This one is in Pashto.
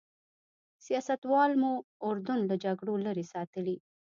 سیاستوالو مو اردن له جګړو لرې ساتلی.